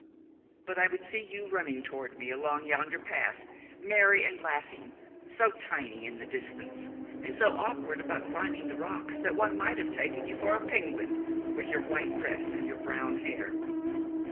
But I would see you running toward me, along yonder path, merry and laughing, so tiny in the distance and so awkward about climbing the rocks that one might have taken you for a penguin, with your white dress and your brown hair.